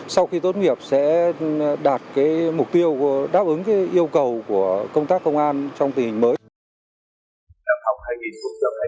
sau khi tốt nghiệp sẽ đạt mục tiêu đáp ứng yêu cầu của công tác công an trong tình hình mới